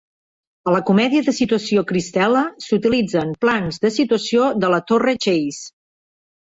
A la comèdia de situació "Cristela" s'utilitzen plans de situació de la torre Chase.